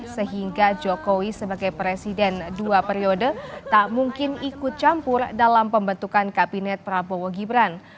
sehingga jokowi sebagai presiden dua periode tak mungkin ikut campur dalam pembentukan kabinet prabowo gibran